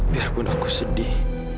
biarpun aku sedih